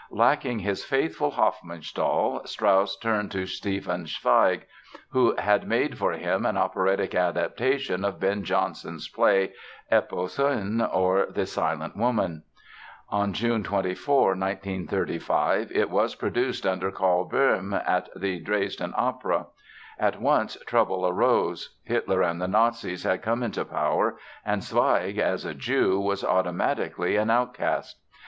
Lacking his faithful Hofmannsthal Strauss turned to Stefan Zweig, who had made for him an operatic adaptation of Ben Jonson's play, "Epicoene, or The Silent Woman". On June 24, 1935, it was produced under Karl Böhm at the Dresden Opera. At once trouble arose. Hitler and the Nazis had come into power and Zweig, as a Jew, was automatically an outcast.